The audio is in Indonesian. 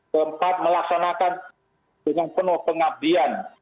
keempat melaksanakan penuh pengabdian